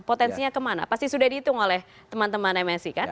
potensinya kemana pasti sudah dihitung oleh teman teman msi kan